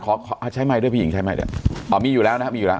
ขอขอใช้ไมค์ด้วยพี่หญิงใช้ไมค์เดี๋ยวอ๋อมีอยู่แล้วนะครับ